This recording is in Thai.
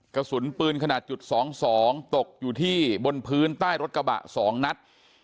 กระสุนปืนขนาดจุด๒๒ตกอยู่ที่บนพื้นใต้รถกระบะ๒นัด